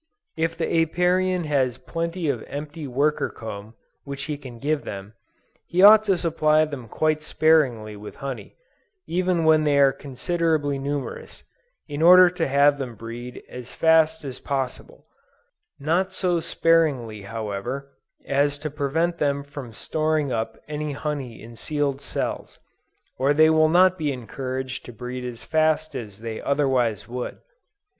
If the Apiarian has plenty of empty worker comb which he can give them, he ought to supply them quite sparingly with honey, even when they are considerably numerous, in order to have them breed as fast as possible; not so sparingly however, as to prevent them from storing up any honey in sealed cells; or they will not be encouraged to breed as fast as they otherwise would.